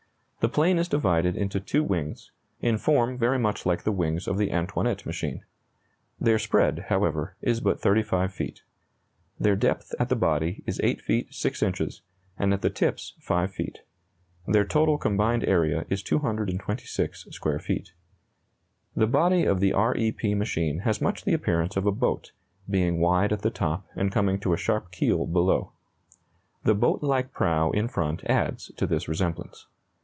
The plane is divided into two wings, in form very much like the wings of the Antoinette machine. Their spread, however, is but 35 feet. Their depth at the body is 8 feet 6 inches, and at the tips, 5 feet. Their total combined area is 226 square feet. The body of the R E P machine has much the appearance of a boat, being wide at the top and coming to a sharp keel below. The boat like prow in front adds to this resemblance.